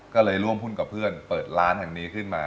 ก็เลยร่วมหุ้นกับเพื่อนเปิดร้านแห่งนี้ขึ้นมา